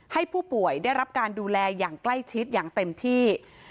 ให้ผู้ป่วยได้รับการดูแลอย่างใกล้ชิดอย่างเต็มที่